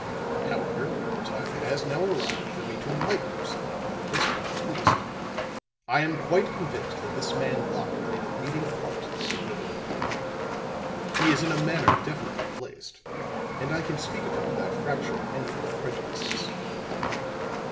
However the time has now arrived for me to enlighten you somewhat upon this point, at least. I am quite convinced that this man Locke played a leading part in the murder of Hume. He is in a manner definitely placed, and I can speak of him without fracturing any of my prejudices."